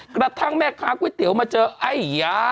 กระทั่งแม่ค้าก๋วยเตี๋ยวมาเจอไอ้ยา